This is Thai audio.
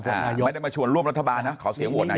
ไม่ได้มาชวนร่วมรัฐบาลนะขอเสียงโหวตนายก